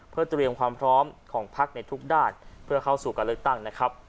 เพื่อเตรียมความพร้อมของพักในทุกด้านเพื่อเข้าสู่การเลือกตั้งนะครับ